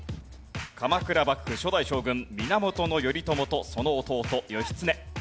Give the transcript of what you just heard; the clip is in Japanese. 鎌倉幕府初代将軍源頼朝とその弟義経。